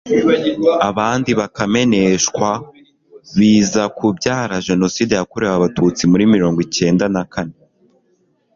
abandi bakameneshwa, biza kubyara Jenoside yakorewe Abatutsi muri mirongo cyenda nakane.